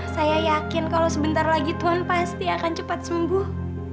saya yakin kalau sebentar lagi tuhan pasti akan cepat sembuh